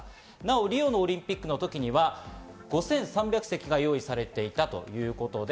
リオのオリンピックは５３００席が用意されていたということです。